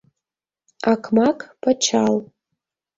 Акмак — пычал.